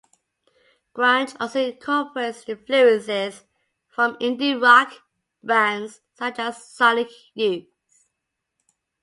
Grunge also incorporates influences from indie rock bands such as Sonic Youth.